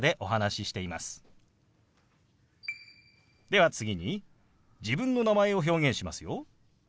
では次に自分の名前を表現しますよ。